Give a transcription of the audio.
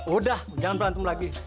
udah jangan berantem lagi